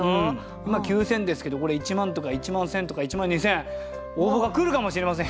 今９，０００ですけどこれ１万とか１万１，０００とか１万２，０００応募が来るかもしれません。